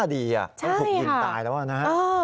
ใช่ค่ะต้องถูกยินตายแล้วอะนะ